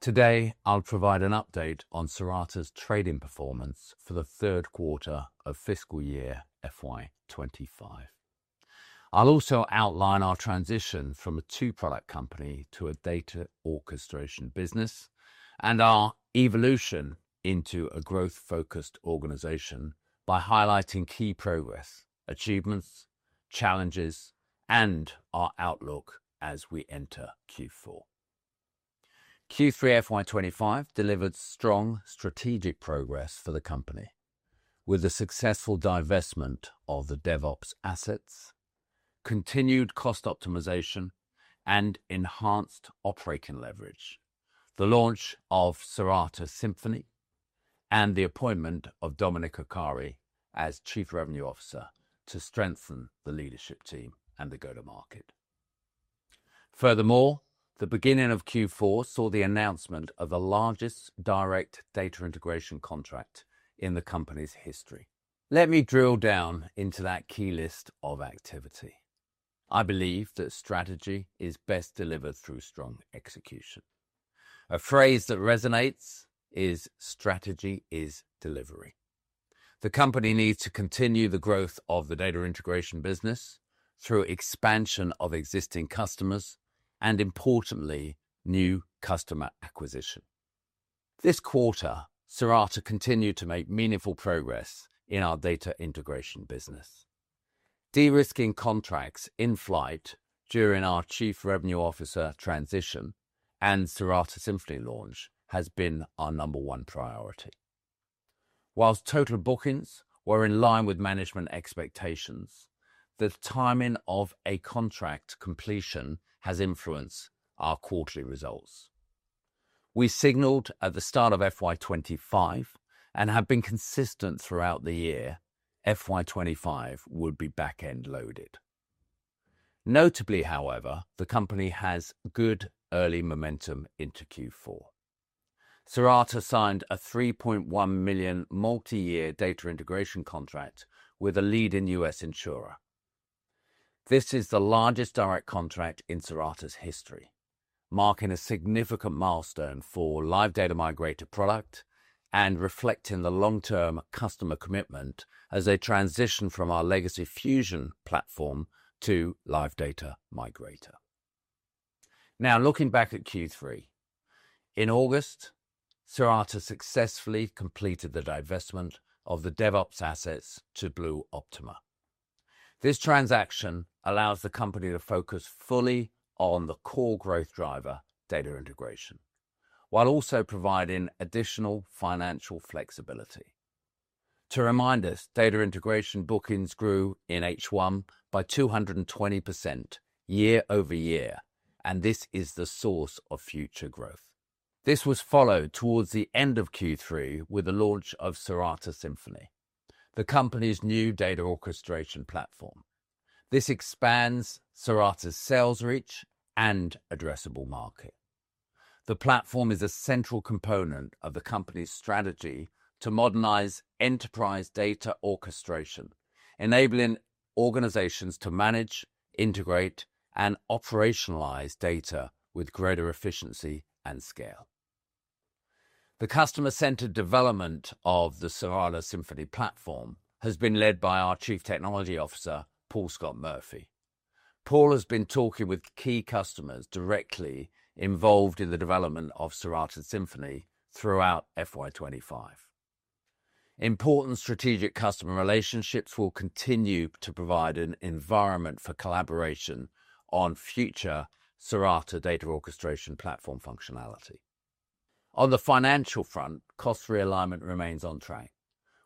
Today I'll provide an update on Cirata's trading performance for the Third Quarter of Fiscal Year FY25. I'll also outline our transition from a two-product company to a data orchestration business, and our evolution into a growth-focused organization by highlighting key progress, achievements, challenges, and our outlook as we enter Q4. Q3 FY25 delivered strong strategic progress for the company, with the successful divestment of the DevOps assets, continued cost optimization, and enhanced operating leverage, the launch of Cirata Symphony, and the appointment of Dominic Arcari as Chief Revenue Officer to strengthen the leadership team and the go-to-market. Furthermore, the beginning of Q4 saw the announcement of the largest direct data integration contract in the company's history. Let me drill down into that key list of activity. I believe that strategy is best delivered through strong execution. A phrase that resonates is, "Strategy is delivery." The company needs to continue the growth of the data integration business through expansion of existing customers and, importantly, new customer acquisition. This quarter, Cirata continued to make meaningful progress in our data integration business. De-risking contracts in flight during our Chief Revenue Officer transition and Cirata Symphony launch has been our number one priority. Whilst total bookings were in line with management expectations, the timing of a contract completion has influenced our quarterly results. We signaled at the start of FY25 and have been consistent throughout the year FY25 would be back-end loaded. Notably, however, the company has good early momentum into Q4. Cirata signed a $3.1 million multi-year data integration contract with a leading U.S. insurer. This is the largest direct contract in Cirata's history, marking a significant milestone for LiveData Migrator product and reflecting the long-term customer commitment as they transition from our legacy Fusion platform to LiveData Migrator. Now, looking back at Q3, in August, Cirata successfully completed the divestment of the DevOps assets to BlueOptima. This transaction allows the company to focus fully on the core growth driver, data integration, while also providing additional financial flexibility. To remind us, data integration bookings grew in H1 by 220% year-over-year, and this is the source of future growth. This was followed towards the end of Q3 with the launch of Cirata Symphony, the company's new data orchestration platform. This expands Cirata's sales reach and addressable market. The platform is a central component of the company's strategy to modernize enterprise data orchestration, enabling organizations to manage, integrate, and operationalize data with greater efficiency and scale. The customer-centered development of the Cirata Symphony platform has been led by our Chief Technology Officer, Paul Scott-Murphy. Paul has been talking with key customers directly involved in the development of Cirata Symphony throughout FY25. Important strategic customer relationships will continue to provide an environment for collaboration on future Cirata data orchestration platform functionality. On the financial front, cost realignment remains on track,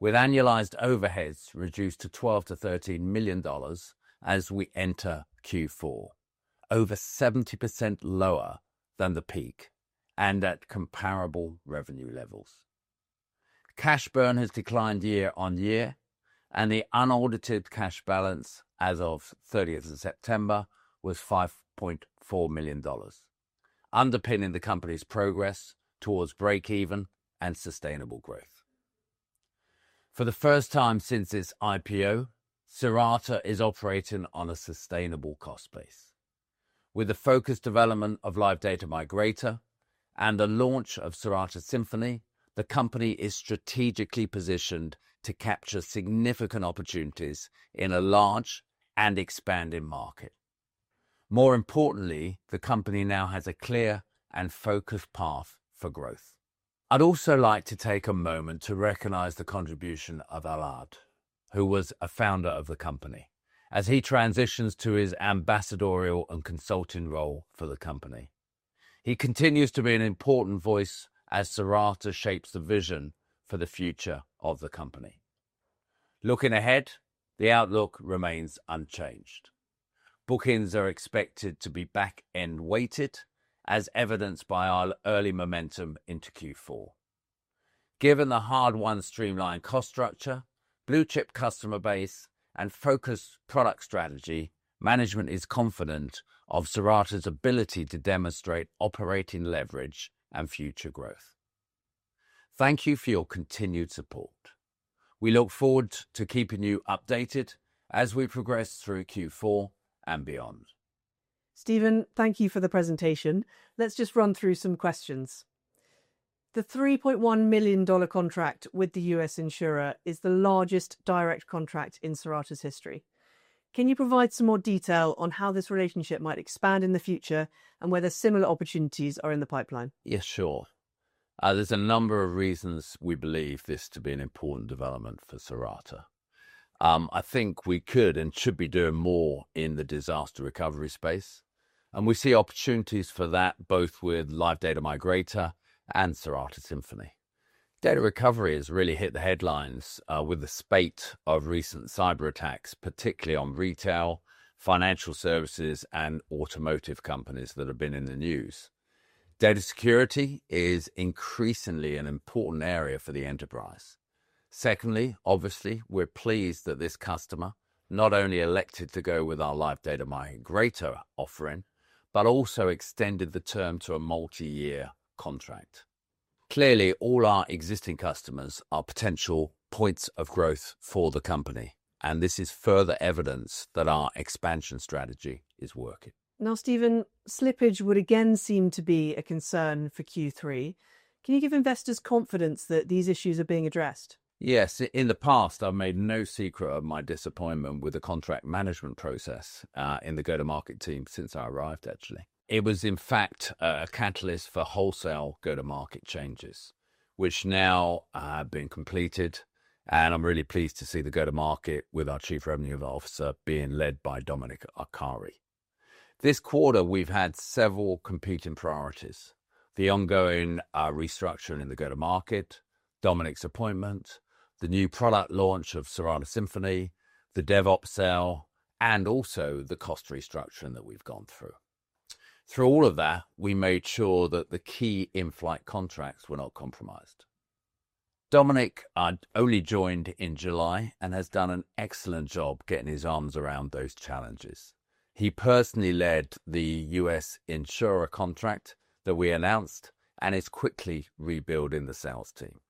with annualized overheads reduced to $12 million-$13 million as we enter Q4, over 70% lower than the peak and at comparable revenue levels. Cash burn has declined year on year, and the unaudited cash balance as of 30th September was $5.4 million, underpinning the company's progress towards break-even and sustainable growth. For the first time since its IPO, Cirata is operating on a sustainable cost base. With the focused development of LiveData Migrator and the launch of Cirata Symphony, the company is strategically positioned to capture significant opportunities in a large and expanding market. More importantly, the company now has a clear and focused path for growth. I'd also like to take a moment to recognize the contribution of Aahlad, who was a founder of the company, as he transitions to his ambassadorial and consulting role for the company. He continues to be an important voice as Cirata shapes the vision for the future of the company. Looking ahead, the outlook remains unchanged. Bookings are expected to be back-end weighted, as evidenced by our early momentum into Q4. Given the hard-won streamlined cost structure, blue-chip customer base, and focused product strategy, management is confident of Cirata's ability to demonstrate operating leverage and future growth. Thank you for your continued support. We look forward to keeping you updated as we progress through Q4 and beyond. Stephen, thank you for the presentation. Let's just run through some questions. The $3.1 million contract with the U.S. insurer is the largest direct contract in Cirata's history. Can you provide some more detail on how this relationship might expand in the future and whether similar opportunities are in the pipeline? Yes, sure. There's a number of reasons we believe this to be an important development for Cirata. I think we could and should be doing more in the disaster recovery space, and we see opportunities for that both with LiveData Migrator and Cirata Symphony. Disaster recovery has really hit the headlines with the spate of recent cyberattacks, particularly on retail, financial services, and automotive companies that have been in the news. Data security is increasingly an important area for the enterprise. Secondly, obviously, we're pleased that this customer not only elected to go with our LiveData Migrator offering, but also extended the term to a multi-year contract. Clearly, all our existing customers are potential points of growth for the company, and this is further evidence that our expansion strategy is working. Now, Stephen, slippage would again seem to be a concern for Q3. Can you give investors confidence that these issues are being addressed? Yes. In the past, I've made no secret of my disappointment with the contract management process in the go-to-market team since I arrived, actually. It was, in fact, a catalyst for wholesale go-to-market changes, which now have been completed, and I'm really pleased to see the go-to-market with our Chief Revenue Officer being led by Dominic Arcari. This quarter, we've had several competing priorities: the ongoing restructuring in the go-to-market, Dominic's appointment, the new product launch of Cirata Symphony, the DevOps sale, and also the cost restructuring that we've gone through. Through all of that, we made sure that the key in-flight contracts were not compromised. Dominic only joined in July and has done an excellent job getting his arms around those challenges. He personally led the U.S. insurer contract that we announced and is quickly rebuilding the sales team.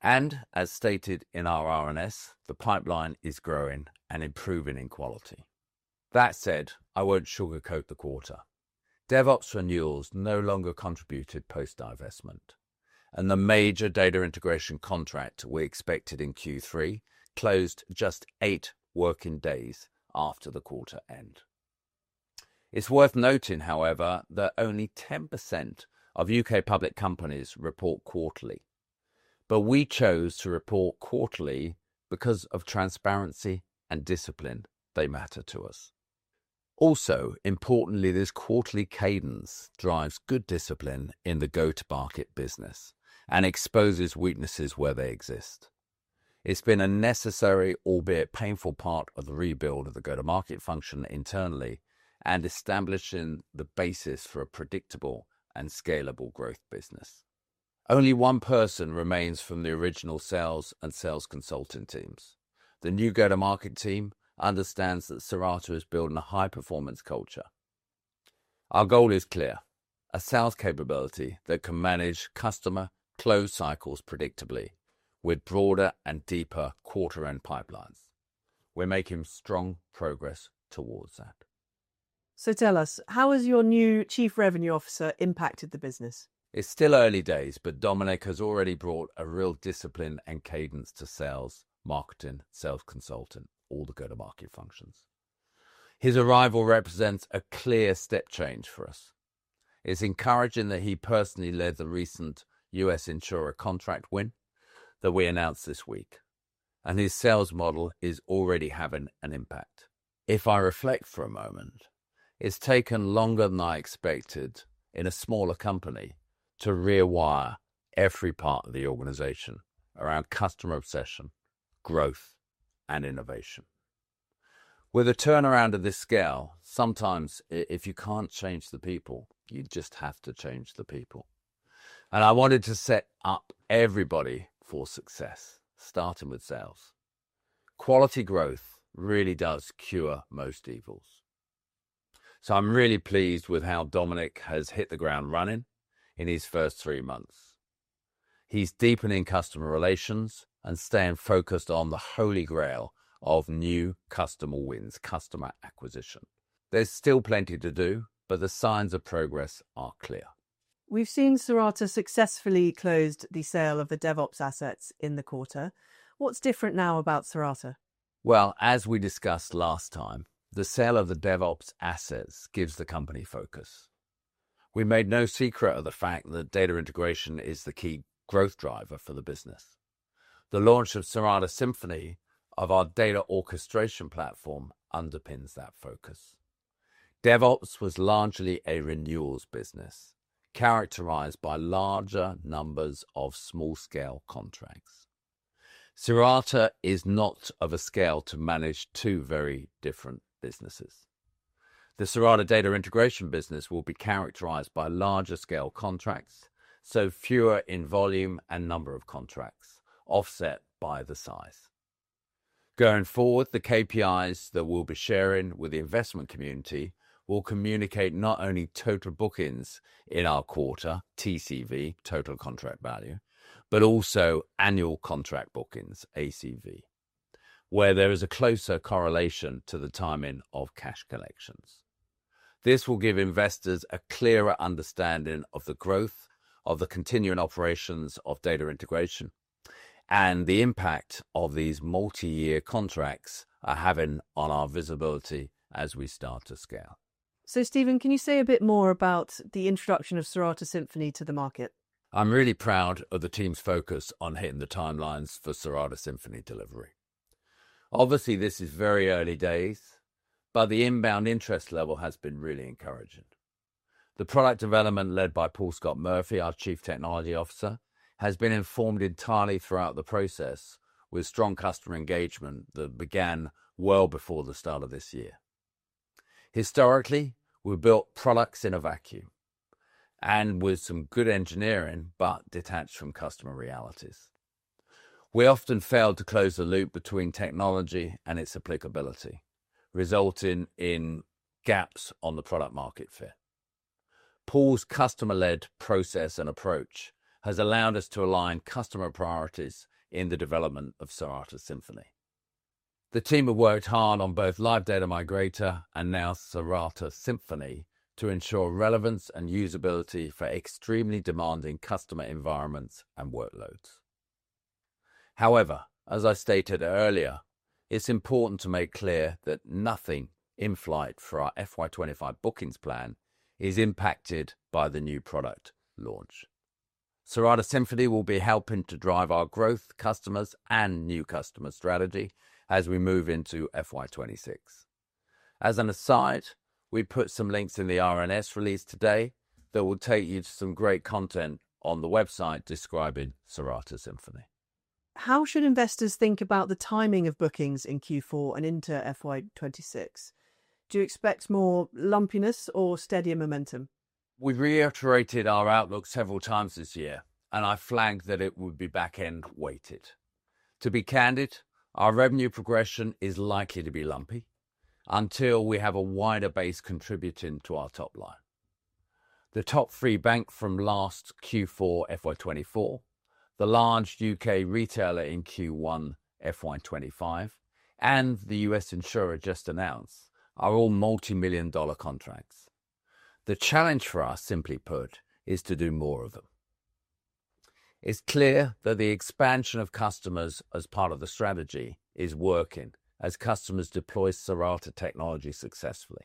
As stated in our RNS, the pipeline is growing and improving in quality. That said, I won't sugarcoat the quarter. DevOps renewals no longer contributed post-divestment, and the major data integration contract we expected in Q3 closed just eight working days after the quarter end. It's worth noting, however, that only 10% of UK public companies report quarterly, but we chose to report quarterly because of transparency and discipline. They matter to us. Also, importantly, this quarterly cadence drives good discipline in the go-to-market business and exposes weaknesses where they exist. It's been a necessary, albeit painful, part of the rebuild of the go-to-market function internally and establishing the basis for a predictable and scalable growth business. Only one person remains from the original sales and sales consulting teams. The new go-to-market team understands that Cirata is building a high-performance culture. Our goal is clear: a sales capability that can manage customer close cycles predictably with broader and deeper quarter-end pipelines. We're making strong progress towards that. So tell us, how has your new Chief Revenue Officer impacted the business? It's still early days, but Dominic has already brought a real discipline and cadence to sales, marketing, sales consulting, all the go-to-market functions. His arrival represents a clear step change for us. It's encouraging that he personally led the recent U.S. insurer contract win that we announced this week, and his sales model is already having an impact. If I reflect for a moment, it's taken longer than I expected in a smaller company to rewire every part of the organization around customer obsession, growth, and innovation. With a turnaround of this scale, sometimes if you can't change the people, you just have to change the people. And I wanted to set up everybody for success, starting with sales. Quality growth really does cure most evils. So I'm really pleased with how Dominic has hit the ground running in his first three months. He's deepening customer relations and staying focused on the holy grail of new customer wins, customer acquisition. There's still plenty to do, but the signs of progress are clear. We've seen Cirata successfully close the sale of the DevOps assets in the quarter. What's different now about Cirata? As we discussed last time, the sale of the DevOps assets gives the company focus. We made no secret of the fact that data integration is the key growth driver for the business. The launch of Cirata Symphony, of our data orchestration platform, underpins that focus. DevOps was largely a renewals business, characterized by larger numbers of small-scale contracts. Cirata is not of a scale to manage two very different businesses. The Cirata data integration business will be characterized by larger-scale contracts, so fewer in volume and number of contracts, offset by the size. Going forward, the KPIs that we'll be sharing with the investment community will communicate not only total bookings in our quarter, TCV, total contract value, but also annual contract bookings, ACV, where there is a closer correlation to the timing of cash collections. This will give investors a clearer understanding of the growth of the continuing operations of data integration and the impact of these multi-year contracts are having on our visibility as we start to scale. So Stephen, can you say a bit more about the introduction of Cirata Symphony to the market? I'm really proud of the team's focus on hitting the timelines for Cirata Symphony delivery. Obviously, this is very early days, but the inbound interest level has been really encouraging. The product development led by Paul Scott-Murphy, our Chief Technology Officer, has been informed entirely throughout the process with strong customer engagement that began well before the start of this year. Historically, we built products in a vacuum and with some good engineering, but detached from customer realities. We often failed to close the loop between technology and its applicability, resulting in gaps on the product-market fit. Paul's customer-led process and approach has allowed us to align customer priorities in the development of Cirata Symphony. The team have worked hard on both LiveData Migrator and now Cirata Symphony to ensure relevance and usability for extremely demanding customer environments and workloads. However, as I stated earlier, it's important to make clear that nothing in-flight for our FY25 bookings plan is impacted by the new product launch. Cirata Symphony will be helping to drive our growth, customers, and new customer strategy as we move into FY26. As an aside, we put some links in the RNS release today that will take you to some great content on the website describing Cirata Symphony. How should investors think about the timing of bookings in Q4 and into FY26? Do you expect more lumpiness or steadier momentum? We've reiterated our outlook several times this year, and I flagged that it would be back-end weighted. To be candid, our revenue progression is likely to be lumpy until we have a wider base contributing to our top line. The top three banks from last Q4 FY24, the large U.K. retailer in Q1 FY25, and the U.S. insurer just announced are all multi-million dollar contracts. The challenge for us, simply put, is to do more of them. It's clear that the expansion of customers as part of the strategy is working as customers deploy Cirata technology successfully.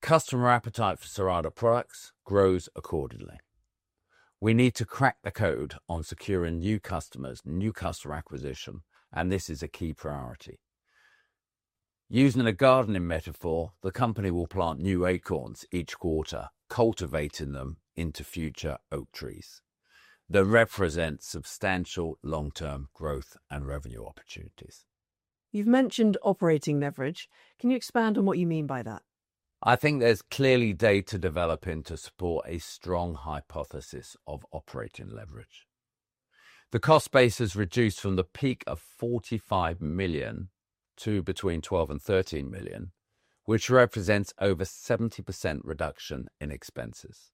Customer appetite for Cirata products grows accordingly. We need to crack the code on securing new customers, new customer acquisition, and this is a key priority. Using a gardening metaphor, the company will plant new acorns each quarter, cultivating them into future oak trees. That represents substantial long-term growth and revenue opportunities. You've mentioned operating leverage. Can you expand on what you mean by that? I think there's clearly data developing to support a strong hypothesis of operating leverage. The cost base has reduced from the peak of $45 million to between $12 million and $13 million, which represents over 70% reduction in expenses.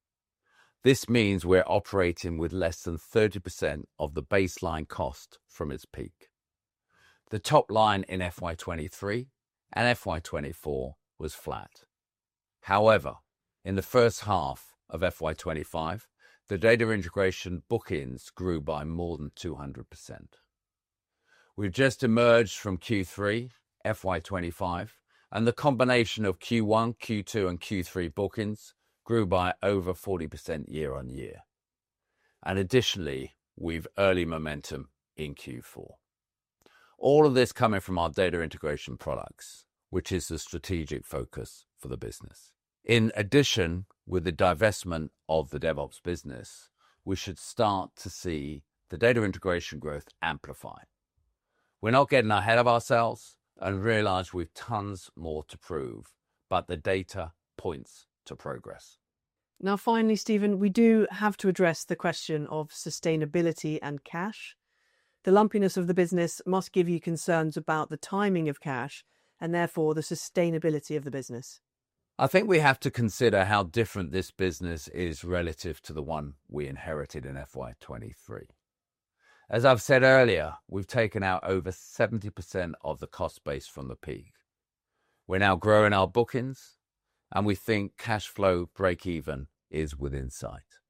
This means we're operating with less than 30% of the baseline cost from its peak. The top line in FY23 and FY24 was flat. However, in the first half of FY25, the data integration bookings grew by more than 200%. We've just emerged from Q3, FY25, and the combination of Q1, Q2, and Q3 bookings grew by over 40% year on year. And additionally, we've early momentum in Q4. All of this coming from our data integration products, which is the strategic focus for the business. In addition, with the divestment of the DevOps business, we should start to see the data integration growth amplify. We're not getting ahead of ourselves and realize we've tons more to prove, but the data points to progress. Now, finally, Stephen, we do have to address the question of sustainability and cash. The lumpiness of the business must give you concerns about the timing of cash and therefore the sustainability of the business. I think we have to consider how different this business is relative to the one we inherited in FY23. As I've said earlier, we've taken out over 70% of the cost base from the peak. We're now growing our bookings, and we think cash flow break-even is within sight.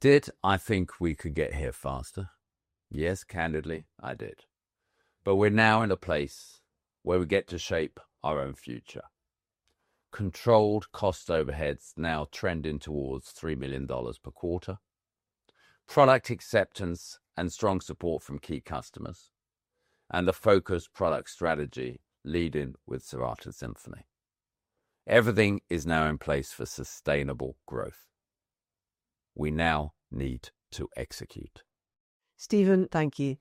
Did I think we could get here faster? Yes, candidly, I did. But we're now in a place where we get to shape our own future. Controlled cost overheads now trending towards $3 million per quarter. Product acceptance and strong support from key customers and the focused product strategy leading with Cirata Symphony. Everything is now in place for sustainable growth. We now need to execute. Stephen, thank you.